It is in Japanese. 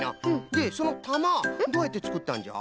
でそのたまどうやってつくったんじゃ？